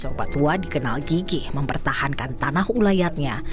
sorbatua dikenal gigih mempertahankan tanah ulayatnya